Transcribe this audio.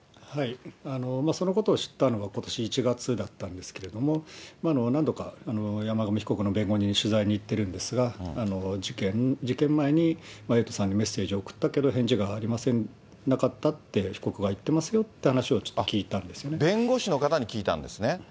そのことを知ったのはことし１月だったんですけれども、何度か、山上被告の弁護人に取材に行ってるんですが、事件前にエイトさんにメッセージ送ったけれども、返事がなかったって被告が言ってますよっていう話を、ちょっと聞弁護士の方に聞いたんですね。